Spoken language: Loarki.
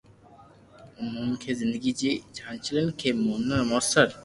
انهن کي زندگي جي چئلينجن کي موثر